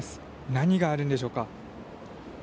何があるんでしょうか。